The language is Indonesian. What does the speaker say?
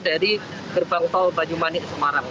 dari gerbang tol banyumanik semarang